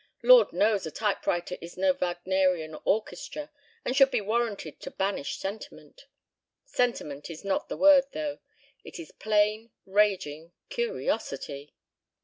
Lord knows a typewriter is no Wagnerian orchestra and should be warranted to banish sentiment. ... Sentiment is not the word, though. It is plain raging curiosity."